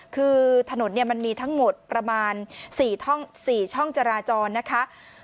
คือถนนมันมีทั้งหมดประมาณ๔ช่องจราจรนะคะ